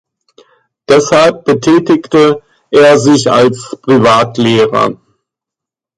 Deshalb betätigte er sich als Privatlehrer.